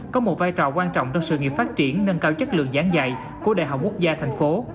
có một vai trò quan trọng trong sự nghiệp phát triển nâng cao chất lượng giảng dạy của đại học quốc gia thành phố